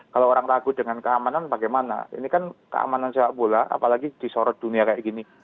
kalau orang ragu dengan keamanan bagaimana ini kan keamanan sepak bola apalagi disorot dunia kayak gini